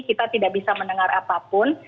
kita tidak bisa mendengar apapun